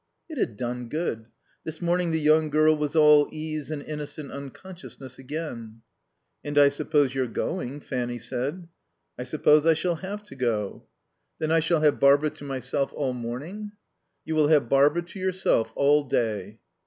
(It had done good. This morning the young girl was all ease and innocent unconsciousness again.) "And I suppose you're going?" Fanny said. "I suppose I shall have to go." "Then I shall have Barbara to myself all morning?" "You will have Barbara to yourself all day."